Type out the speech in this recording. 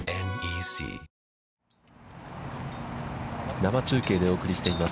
生中継でお送りしています。